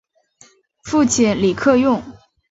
父亲李克用。